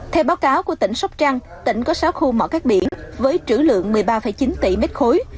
theo báo cáo của tỉnh sóc trăng tỉnh có sáu khu mở các biển với chữ lượng một mươi ba chín tỷ mét khối